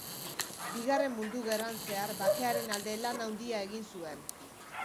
Bigarren Mundu Gerran zehar bakearen alde lan handia egin zuen.